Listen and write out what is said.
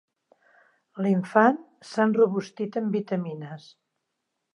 L'infant s'ha enrobustit amb vitamines.